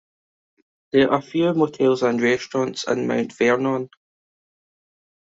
There are a few motels and restaurants in Mount Vernon.